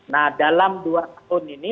nah dalam dua tahun ini